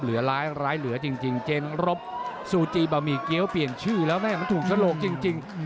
เหลือร้ายเหลือจริงเจนรบซูจีบะหมี่เกี้ยวเปลี่ยนชื่อแล้วแม่มันถูกสลกจริง